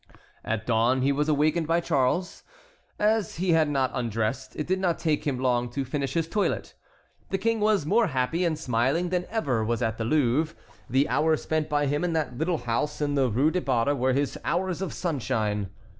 At dawn he was awakened by Charles. As he had not undressed, it did not take him long to finish his toilet. The King was more happy and smiling than he ever was at the Louvre. The hours spent by him in that little house in the Rue des Barres were his hours of sunshine.